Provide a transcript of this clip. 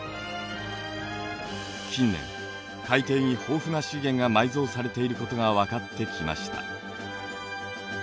近年海底に豊富な資源が埋蔵されていることが分かってきました。